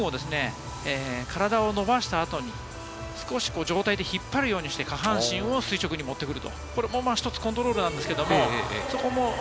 体を伸ばした後に少し上体で引っ張るような、下半身を垂直に持ってくる。